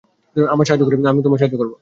আমায় সাহায্য করো, আমিও তোমায় সাহায্য করব!